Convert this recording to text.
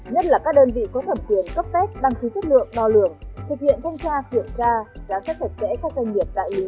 nhất là các đơn vị có thẩm quyền cấp tết đăng ký chất lượng đo lượng thực hiện thông tra kiểm tra giá sát chặt chẽ các doanh nghiệp đại lý